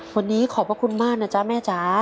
วันนี้ขอบพระคุณมากนะจ๊ะแม่จ๋า